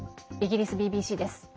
イギリスＢＢＣです。